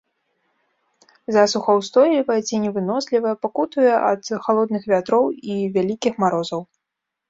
Засухаўстойлівая, ценевынослівая, пакутуе ад халодных вятроў і вялікіх марозаў.